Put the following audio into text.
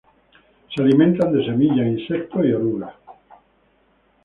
Se alimentan de semillas, insectos, y orugas.